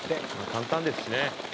「簡単ですしね。